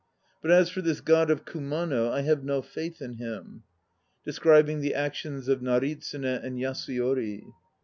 But as for this God of Kumano, I have no faith in him. (Describing the actions of NARITSUNE and YASUYORI.)